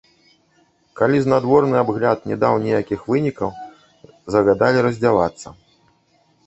Калі знадворны абгляд не даў ніякіх вынікаў, загадалі раздзявацца.